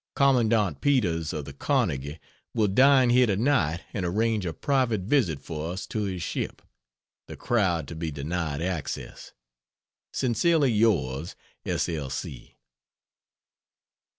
Commandant Peters of the "Carnegie" will dine here tonight and arrange a private visit for us to his ship, the crowd to be denied access. Sincerely Yours, S. L.